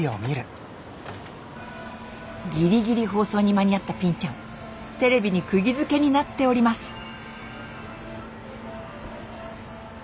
ギリギリ放送に間に合ったぴんちゃんテレビにくぎづけになっております。